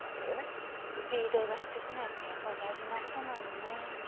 スピードを出し過ぎないってやっぱり大事な事なのね。